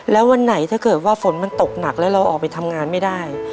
แล้ววันไหนถ้าเกิดว่าฝนมันตกหนักแล้วเราออกไปทำงานไม่ได้